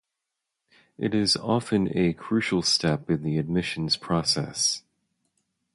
It is often a crucial step in the admissions process.